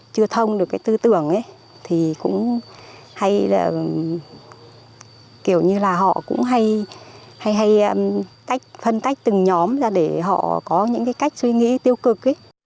để họ có những cái cách suy nghĩ tiêu cực